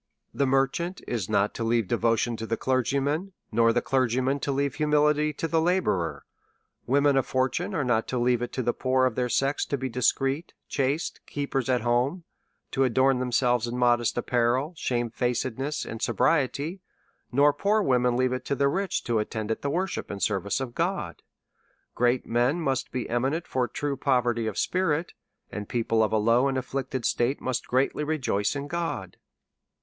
The merchant is not to leave devotion to the cler gyman, nor the clergyman to leave humility to the la bourer ; women of fortune are not to leave it to the poor of their sex to be discreet, chaste keepers at home, to adorn themselves in modest apparel, shame facedness, and sobriety ; nor poor women leave it to the rich to attend on the worship and service of God. Great men must be eminent for true poverty of spirit, and people of a low and afflicted state must greatly re joice in God.